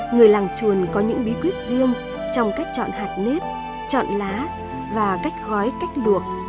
người làng chuồn có những bí quyết riêng trong cách chọn hạt nếp chọn lá và cách gói cách luộc